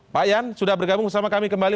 pak yan sudah bergabung bersama kami kembali